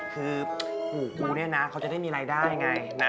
คือปู่กูเนี่ยนะเขาจะได้มีรายได้ไงนะ